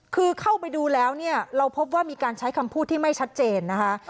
คือเข้าไปดูแล้วเนี่ยเราพบว่ามีการใช้คำพูดที่ไม่ชัดเจนนะคะ